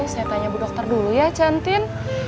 saya tanya bu dokter dulu ya chantin